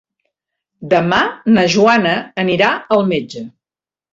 Demà na Joana anirà al metge.